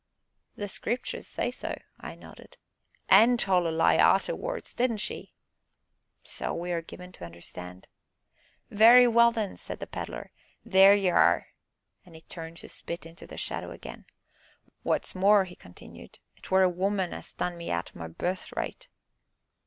"The Scriptures say so," I nodded. "An' told a lie arterwards, didn't she?" "So we are given to understand." "Very well then!" said the Pedler, "there y' are!" and he turned to spit into the shadow again. "Wot's more," he continued, "'twere a woman as done me out o' my birthright."